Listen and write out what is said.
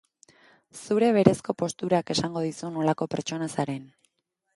Zure berezko posturak esango dizu nolako pertsona zaren.